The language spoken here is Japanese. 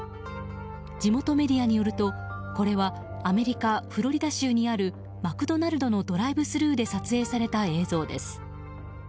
地元メディアによると、これはアメリカ・フロリダ州にあるマクドナルドのドライブスルーで撮影された映像です。